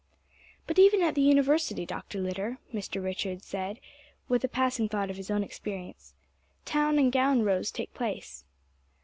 "But even at the University, Doctor Litter," Mr. Richards said, with a passing thought of his own experience, "town and gown rows take place."